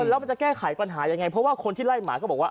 แล้วมันจะแก้ไขปัญหายังไงเพราะว่าคนที่ไล่หมาก็บอกว่า